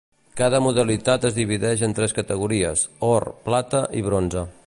Cada modalitat es divideix en tres categories, or, plata i bronze.